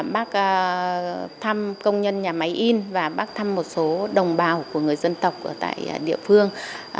bác thăm công nhân nhà máy in và bác thăm một số đồng bào của người dân tộc ở tại địa phương